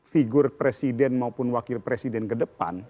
figur presiden maupun wakil presiden kedepan